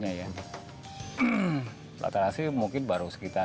diambil rata rata ya mas karena memang ada pricing strategi yang berbeda tentunya